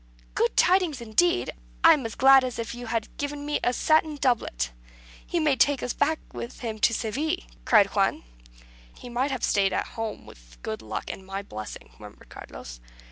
"Good tidings indeed! I am as glad as if you had given me a satin doublet. He may take us back with him to Seville," cried Juan. "He might have stayed at home, with good luck and my blessing," murmured Carlos.